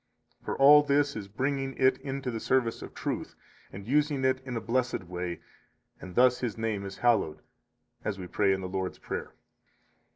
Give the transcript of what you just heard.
For all this is bringing it into the service of truth, and using it in a blessed way, and thus His name is hallowed, as we pray in the Lord's Prayer.